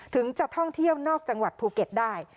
ถึงจะท่องเที่ยวนอกจังหวัดภูเก็ตได้